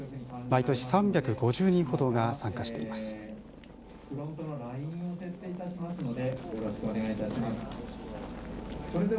毎年３５０人ほどが参加しています。